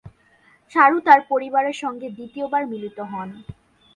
সারু তার পরিবারের সঙ্গে দ্বিতীয়বার মিলিত হন।